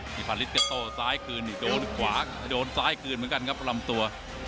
พาริสจะโต้ซ้ายคืนนี่โดนขวาโดนซ้ายคืนเหมือนกันครับลำตัว